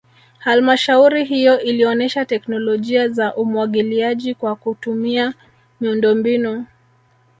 Halmashauri hiyo ilionesha teknolojia za umwagiliaji kwa kutumia miundombinu